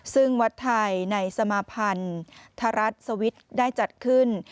ซึ่งวัดไทยในสมาพันธรัฐสวิทย์ได้จัดขึ้น